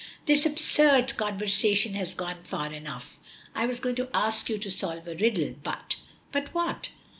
This absurd conversation has gone far enough. I was going to ask you to solve a riddle, but " "But what?"